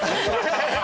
ハハハハ！